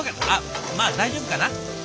あっまあ大丈夫かな。